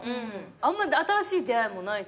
あんま新しい出会いもないから。